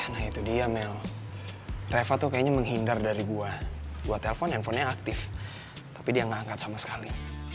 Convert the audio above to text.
nah itu dia mel reva tuh kayaknya menghindar dari gue buat telepon handphonenya aktif tapi dia nggak angkat sama sekali